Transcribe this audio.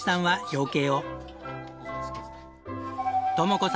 はい！